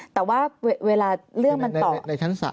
แต่ว่าเวลาเรื่องมันต่อ